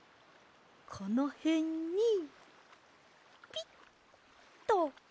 このへんにピッと。